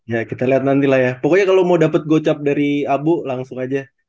ya kita lihat nanti lah ya pokoknya kalau mau dapat gocap dari abu langsung aja